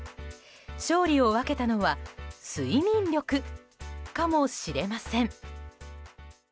勝利を分けたのは睡眠力かもしれません。